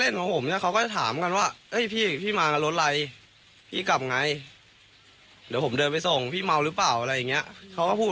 ท็อปบอกว่าเนี่ยค่ะ